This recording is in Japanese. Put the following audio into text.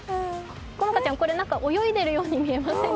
好花ちゃん、これ、何か泳いでいるように見えませんか？